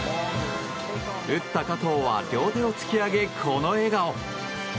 打った加藤は両手を突き上げこの笑顔。